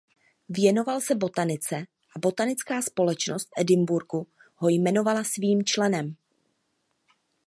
Věnoval se botanice a botanická společnost v Edinburghu ho jmenovala svým členem.